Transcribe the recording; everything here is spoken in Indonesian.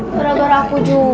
gara gara aku juga